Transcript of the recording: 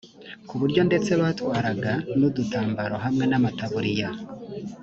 ku buryo ndetse batwaraga n udutambaro hamwe n amataburiya